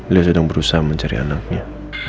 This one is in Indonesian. dia sedang berusaha mencari anaknya